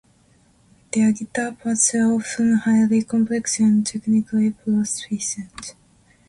Their guitar parts are often highly complex and technically proficient.